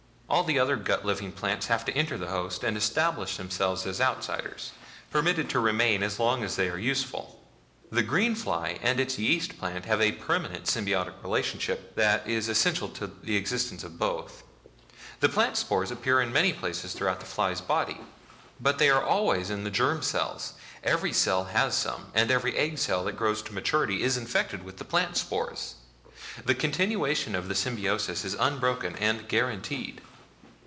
All the other gut living plants have to enter the host and establish themselves as outsiders, permitted to remain as long as they are useful. The green fly and its yeast plant have a permanent symbiotic relationship that is essential to the existence of both. The plant spores appear in many places throughout the fly's body but they are always in the germ cells. Every egg cell has some, and every egg that grows to maturity is infected with the plant spores. The continuation of the symbiosis is unbroken and guaranteed."